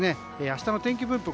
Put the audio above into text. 明日の天気分布